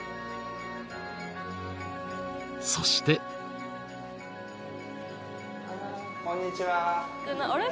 ［そして］こんにちは。